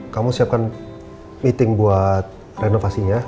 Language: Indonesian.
kamu siapkan meeting buat renovasinya